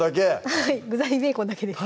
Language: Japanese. はい具材ベーコンだけです